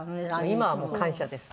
今はもう感謝です。